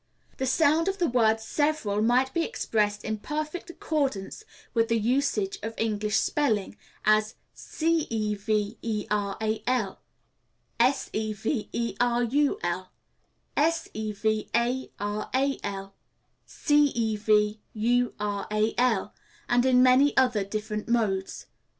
The sound of the word several might be expressed in perfect accordance with the usage of English spelling, as ceveral, severul, sevaral, cevural, and in many other different modes.